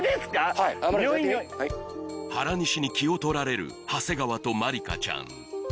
ニョインニョイン原西に気を取られる長谷川とまりかちゃん